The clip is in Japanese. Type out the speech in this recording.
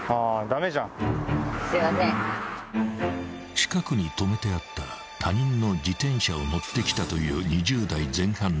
［近くに止めてあった他人の自転車を乗ってきたという］